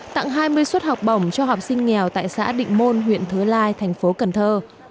tặng hai mươi suất học bổng cho học sinh nghèo tại xã định môn huyện thứ lai thành phố cần thơ